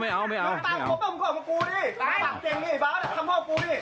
ไม่เอาไม่เอาไม่เอา